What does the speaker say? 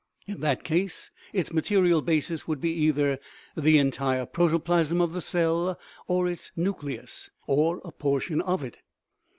In that case its material basis would be either the entire protoplasm of the cell, or its nucleus, or a por tion of it.